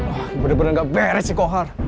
oh ini bener bener gak beres sih kohar